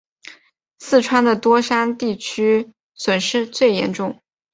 四川的多山地区损失最严重。